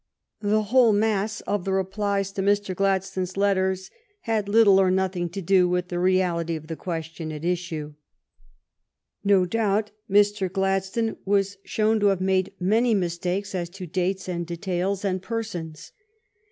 The whole mass of the re 138 THE STORY OF GLADSTONE'S LIFE plies to Mr. Gladstone's letters had little or nothing to do with the reality of the question at issue. No doubt Mr. Gladstone was shown to have made many mistakes as to dates and details and persons.